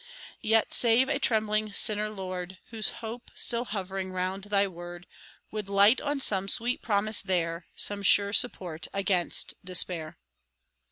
Yet save a trembling sinner, Lord, Whose hope, still hovering round thy word, Would light on some sweet promise there, Some sure support against despair.